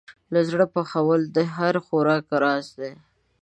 له زړه پخول د هر خوراک راز دی.